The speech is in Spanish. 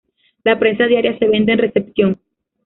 La prensa diaria se vende en recepción.